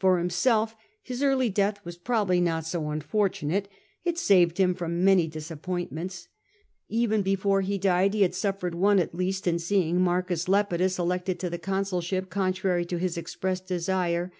For himself, his early death was prob ably not so unfortunate : it saved him from many dis appointments. Even before he died he had suffered one at least, in seeing M. Lepidus elected to the consulship contrary to his expressed desire.